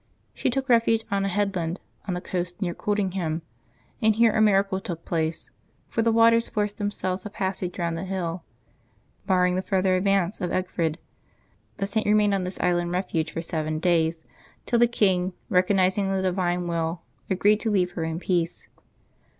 She took refuge on a headland on the coast near Coldingham; and here a miracle took place, for the waters forced themselves a pas sage round the hill, barring the further advance of Egfrid. The Saint remained on this island refuge for seven days, till the king, recognizing the divine will, agreed to leave her in peace.